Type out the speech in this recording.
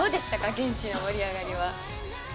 現地の盛り上がりは。